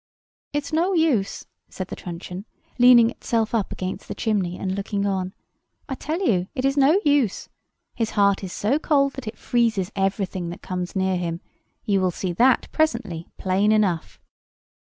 "It's no use," said the truncheon, leaning itself up against the chimney and looking on. "I tell you, it is no use. His heart is so cold that it freezes everything that comes near him. You will see that presently, plain enough."